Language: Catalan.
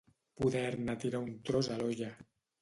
Poder-ne tirar un tros a l'olla.